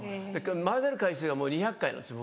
混ぜる回数がもう２００回なんですよ